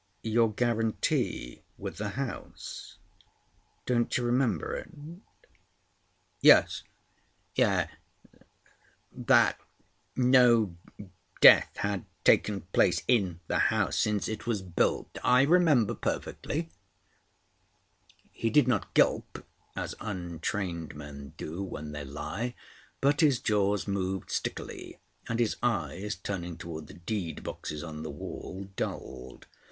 "Your guarantee with the house. Don't you remember it?" "Yes, yes. That no death had taken place in the house since it was built: I remember perfectly." He did not gulp as untrained men do when they lie, but his jaws moved stickily, and his eyes, turning towards the deed boxes on the wall, dulled.